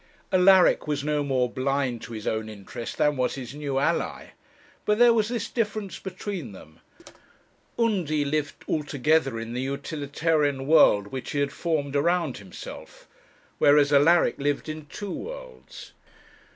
Alaric was no more blind to his own interest than was his new ally. But there was this difference between them; Undy lived altogether in the utilitarian world which he had formed around himself, whereas Alaric lived in two worlds.